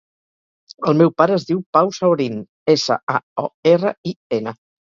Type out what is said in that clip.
El meu pare es diu Pau Saorin: essa, a, o, erra, i, ena.